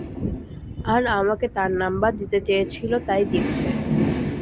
আর আমাকে তার নম্বর দিতে চেয়েছিল তাই দিয়েছে।